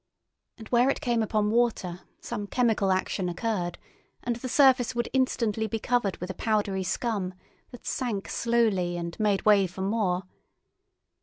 And where it came upon water some chemical action occurred, and the surface would be instantly covered with a powdery scum that sank slowly and made way for more.